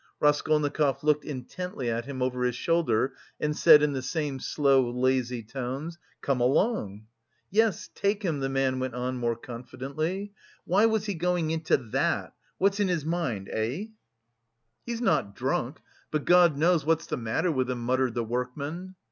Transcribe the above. Raskolnikov looked intently at him over his shoulder and said in the same slow, lazy tones: "Come along." "Yes, take him," the man went on more confidently. "Why was he going into that, what's in his mind, eh?" "He's not drunk, but God knows what's the matter with him," muttered the workman.